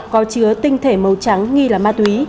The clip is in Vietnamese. có chứa tinh thể màu trắng nghi là ma túy